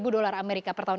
dua dolar amerika per tahun